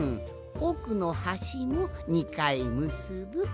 おくのはしも２かいむすぶ。